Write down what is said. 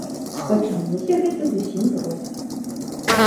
Пачалося гэта зусім проста.